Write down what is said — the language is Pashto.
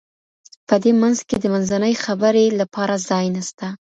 په دې منځ کي د منځنۍ خبري لپاره ځای نسته.